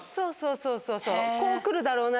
そうそうそうこう来るだろうな。